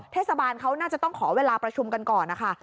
เทศบาลเขาน่าจะต้องขอเวลาประชุมกันก่อนนะคะ